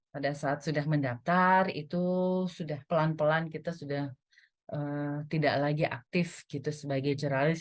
pada saat sudah mendaftar itu sudah pelan pelan kita sudah tidak lagi aktif gitu sebagai jurnalis